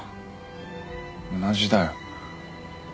同じだよ。